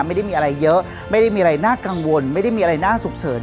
ไม่ได้มีอะไรเยอะไม่ได้มีอะไรน่ากังวลไม่ได้มีอะไรน่าฉุกเฉิน